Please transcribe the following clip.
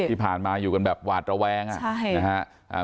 ที่ผ่านมาอยู่กันแบบหวาดระแว้งใช่